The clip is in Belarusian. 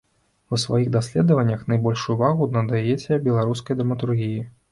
У сваіх даследаваннях найбольшую ўвагу надаяце беларускай драматургіі.